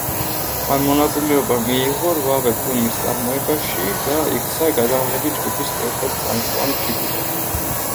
მან მონაწილეობა მიიღო რვავე ფილმის წარმოებაში და იქცა გადამღები ჯგუფის ერთ-ერთ წამყვან ფიგურად.